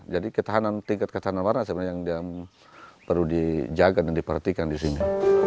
jadi tingkat ketahanan warna sebenarnya yang perlu dijaga dan diperhatikan di sini